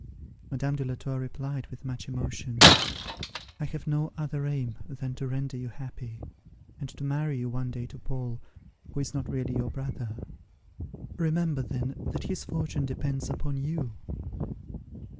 Madame de la Tour replied, with much emotion, "I have no other aim than to render you happy, and to marry you one day to Paul, who is not really your brother. Remember then that his fortune depends upon you."